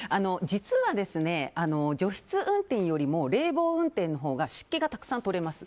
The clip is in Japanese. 実は、除湿運転よりも冷房運転のほうが湿気がたくさん取れます。